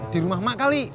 di rumah mak kali